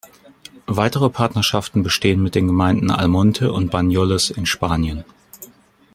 Weitere Partnerschaften bestehen mit den Gemeinden Almonte und Banyoles in Spanien.